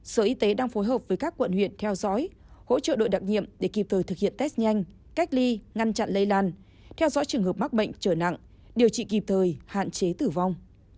sở y tế đang phối hợp với các quận huyện theo dõi hỗ trợ đội đặc nhiệm để kịp thời thực hiện test nhanh cách ly ngăn chặn lây lan theo dõi trường hợp mắc bệnh trở nặng điều trị kịp thời hạn chế tử vong